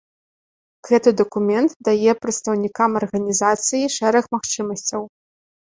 Гэты дакумент дае прадстаўнікам арганізацыі шэраг магчымасцяў.